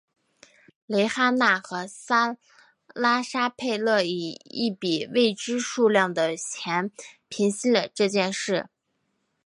蕾哈娜和拉沙佩勒以一笔未知数量的钱平息了这件事情。